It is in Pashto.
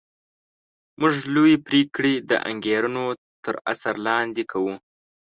موږ لویې پرېکړې د انګېرنو تر اثر لاندې کوو